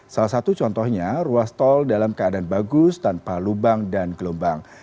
salah satu contohnya ruas tol dalam keadaan bagus tanpa lubang dan gelombang